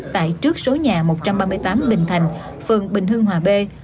tại trước số nhà một trăm ba mươi tám bình thành phường bình hưng hòa b